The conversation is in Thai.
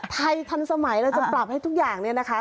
ไทยทันสมัยเราจะปรับให้ทุกอย่าง